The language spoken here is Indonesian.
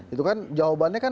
itu kan jawabannya kan